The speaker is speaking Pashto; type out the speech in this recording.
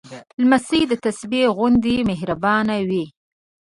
لمسی د تسبېح غوندې مهربانه وي.